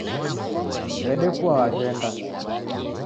W'edekua waghenda